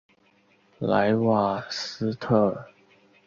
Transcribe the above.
莱瓦斯特尔。